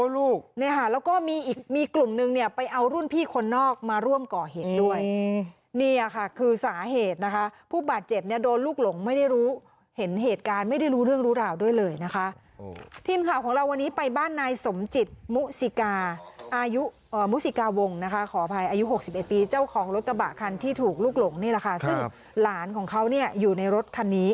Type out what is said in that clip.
แล้วก็มีอีกมีกลุ่มนึงเนี่ยไปเอารุ่นพี่คนนอกมาร่วมก่อเหตุด้วยเนี่ยค่ะคือสาเหตุนะคะผู้บาดเจ็บเนี่ยโดนลูกหลงไม่ได้รู้เห็นเหตุการณ์ไม่ได้รู้เรื่องรู้ราวด้วยเลยนะคะทีมข่าวของเราวันนี้ไปบ้านนายสมจิตมุสิกาอายุมุสิกาวงนะคะขออภัยอายุ๖๑ปีเจ้าของรถกระบะคันที่ถูกลูกหลงนี่แหละค่ะซึ่งหลานของเขาเนี่ยอยู่ในรถคันนี้